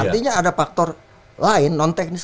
artinya ada faktor lain non teknis